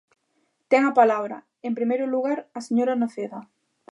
Ten a palabra, en primeiro lugar, a señora Noceda.